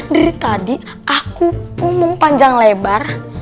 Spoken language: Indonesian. dari tadi aku ngomong panjang lebar